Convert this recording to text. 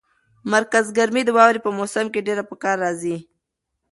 مرکز ګرمي د واورې په موسم کې ډېره په کار راځي.